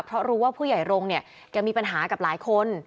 เพราะรู้ว่าผู้ใหญ่รงค์เนี่ยแกมีปัญหากับหลายคน